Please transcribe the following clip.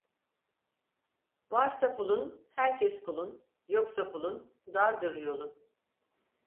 Varsa pulun, herkes kulun; yoksa pulun, dardır yolun.